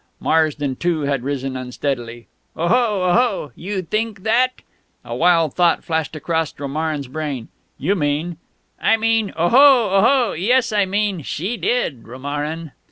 Marsden too had risen unsteadily. "Oho, oho? You think that?" A wild thought flashed across Romarin's brain. "You mean ?" "I mean?... Oho, oho! Yes, I mean! She did, Romarin...."